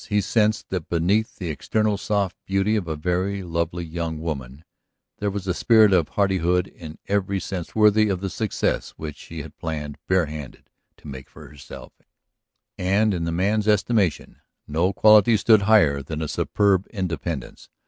He sensed that beneath the external soft beauty of a very lovely young woman there was a spirit of hardihood in every sense worthy of the success which she had planned bare handed to make for herself, and in the man's estimation no quality stood higher than a superb independence.